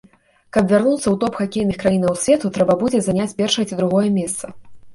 Каб вярнуцца ў топ хакейных краінаў свету, трэба будзе заняць першае ці другое месца.